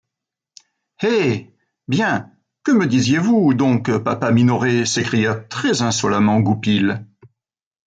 Eh! bien, que me disiez-vous donc, papa Minoret? s’écria très-insolemment Goupil.